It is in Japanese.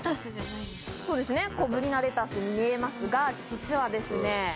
そうですね小ぶりなレタスに見えますが実はですね